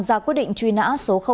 ra quyết định truy nã số hai